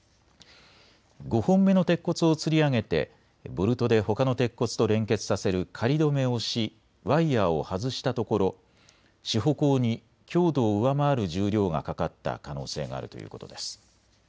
５本目の鉄骨をつり上げてボルトでほかの鉄骨と連結させる仮どめをし、ワイヤーを外したところ支保工に強度を上回る重量がかかった可能性があるということです。